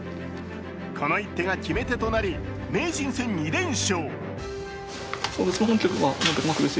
この一手が決め手となり名人戦２連勝。